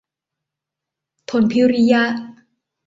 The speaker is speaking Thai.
ธนพิริยะ